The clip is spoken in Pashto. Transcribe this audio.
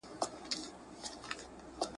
اغیار بدنامه کړی یم شړې یې او که نه ..